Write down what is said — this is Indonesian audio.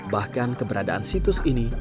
bahkan keberadaan situs ini